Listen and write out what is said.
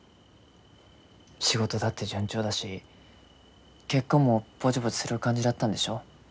仕事だって順調だし結婚もぼちぼちする感じだったんでしょ？